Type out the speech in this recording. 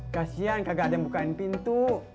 kasian kagak ada yang bukain pintu